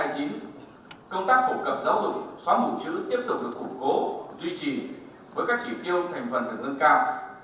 công tác phổ cập giáo dục xóa mù chữ tiếp tục được củng cố duy trì với các chỉ tiêu thành phần được nâng cao